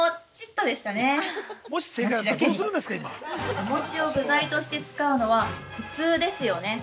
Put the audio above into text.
お餅を具材として使うのは普通ですよね。